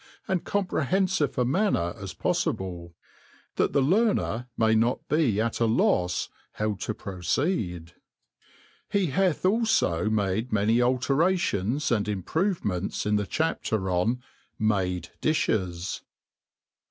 and comprehenfive a man* Tier as poffible^ that the Lear Her may not be ai a lofs bow to proceed. He hath alfo made many alterations and improvements in the Chapter on Made Difties.